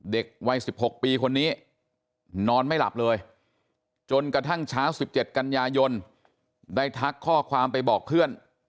เด็กวัย๑๖ปีคนนี้นอนไม่หลับเลยจนกระทั่งเช้า๑๗กันยายนได้ทักข้อความไปบอกเพื่อน